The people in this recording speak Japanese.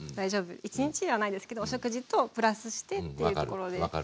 一日じゃないですけどお食事とプラスしてというところで。